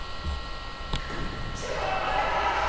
きたか！？